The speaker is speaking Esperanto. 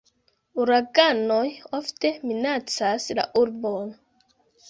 Uraganoj ofte minacas la urbon.